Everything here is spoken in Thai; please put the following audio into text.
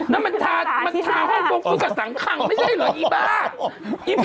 นั่นมันทาห้าวงกับสังคังไม่ใช่เหรอไอ้บ้า